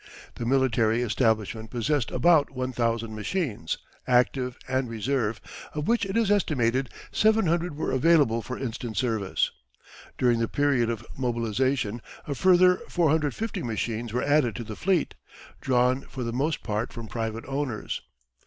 The military establishment possessed about 1,000 machines active and reserve of which it is estimated 700 were available for instant service. During the period of mobilisation a further 450 machines were added to the fleet, drawn for the most part from private owners.